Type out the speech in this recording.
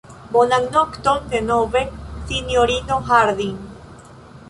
Bonan nokton, denove, sinjorino Harding.